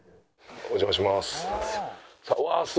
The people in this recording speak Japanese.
お邪魔します。